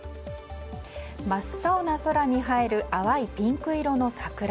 真っ青な空に映える淡いピンク色の桜。